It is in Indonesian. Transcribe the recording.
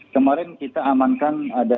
kemarin kita amankan ada